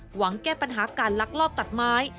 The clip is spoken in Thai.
หวังแก้ปัญหาการลักลอบตัดไม้